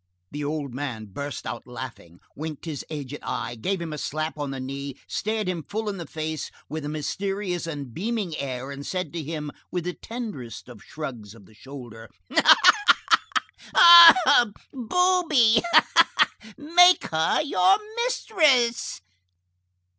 The old man burst out laughing, winked his aged eye, gave him a slap on the knee, stared him full in the face with a mysterious and beaming air, and said to him, with the tenderest of shrugs of the shoulder:— "Booby! make her your mistress."